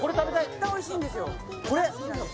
絶対おいしいんですよこれ！